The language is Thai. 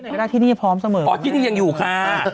ไม่ได้ที่นี่เพราะที่นี่ยังอยู่ค่ะ